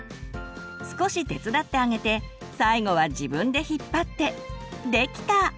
少し手伝ってあげて最後は自分で引っ張ってできた！